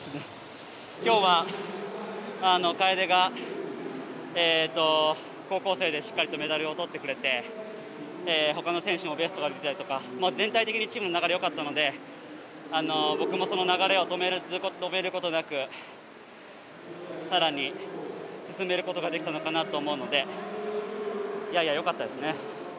きょうは楓が高校生でしっかりとメダルをとってくれてほかの選手もベストが出たりとか全体的にチームの流れ、よかったので僕も、その流れを止めることなくさらに進めることができたのかなと思うのでいやいや、よかったですね。